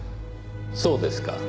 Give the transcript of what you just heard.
そうですか。